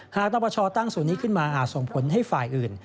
นปชตั้งศูนย์นี้ขึ้นมาอาจส่งผลให้ฝ่ายอื่น